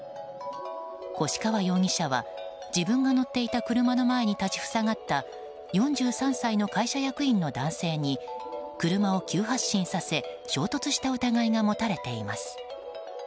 越川容疑者は自分が乗っていた車の前に立ち塞がった４３歳の会社役員の男性に車を急発進させ衝突した疑いが持たれています。